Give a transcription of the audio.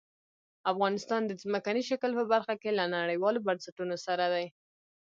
افغانستان د ځمکني شکل په برخه کې له نړیوالو بنسټونو سره دی.